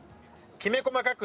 きめ細かく。